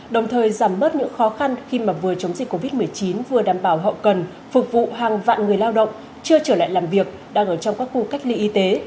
đồng thời giảm bớt những khó khăn khi mà vừa chống dịch covid một mươi chín vừa đảm bảo hậu cần phục vụ hàng vạn người lao động chưa trở lại làm việc đang ở trong các khu cách ly y tế